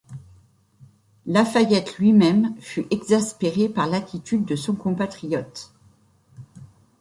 La Fayette lui-même fut exaspéré par l'attitude de son compatriote.